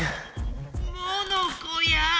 モノコや。